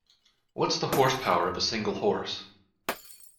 What's the horsepower of a single horse?